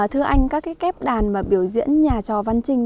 thưa anh các cái kép đàn mà biểu diễn nhà trò văn trinh